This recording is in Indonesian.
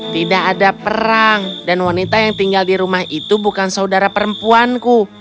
tidak ada perang dan wanita yang tinggal di rumah itu bukan saudara perempuanku